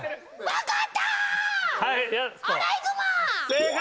正解！